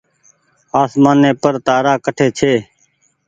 آسمآني پر تآرآ ڪٺي ڇي۔